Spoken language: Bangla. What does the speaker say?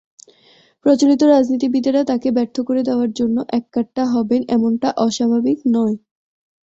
প্রচলিত রাজনীতিবিদেরা তাঁকে ব্যর্থ করে দেওয়ার জন্য এককাট্টা হবেন—এমনটা অস্বাভাবিক নয়।